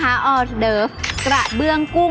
เพราะว่าผักหวานจะสามารถทำออกมาเป็นเมนูอะไรได้บ้าง